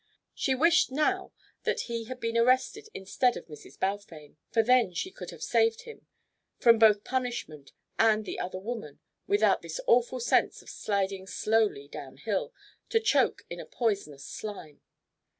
She wished now that he had been arrested instead of Mrs. Balfame, for then she could have saved him from both punishment and the other woman without this awful sense of sliding slowly down hill to choke in a poisonous slime.